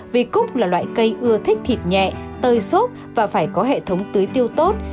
vì cúc là loại cây ưa thích thịt nhẹ tơi xốp và phải có hệ thống tưới tiêu tốt